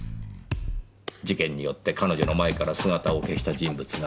事件によって彼女の前から姿を消した人物が２人います。